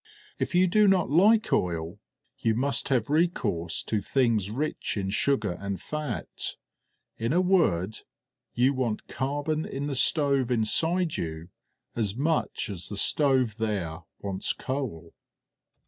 If you do not like oil, you must have recourse to things rich in sugar and fat. In a word, you want carbon in the stove inside you as much as the stove there wants coal."